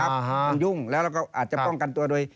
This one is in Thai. มันยุ่งแล้วเราก็อาจจะป้องกันตัวโดย